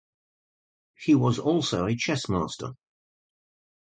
He was also a chess master.